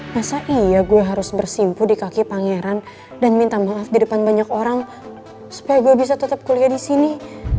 masa iya gue harus bersimpu di kaki pangeran dan minta maaf di depan banyak orang supaya gue bisa tetap kuliah di sini